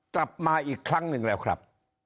กลับมาอีกครั้งหนึ่งแล้วครับ